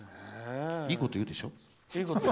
いいこと言うでしょ？